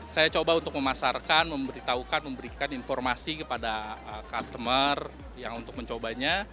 saya coba untuk memasarkan memberitahukan memberikan informasi kepada customer yang untuk mencobanya